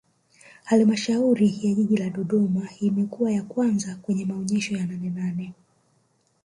halmashauri ya jiji la dodoma imekuwa ya kwanza kwenye maonesho ya nanenane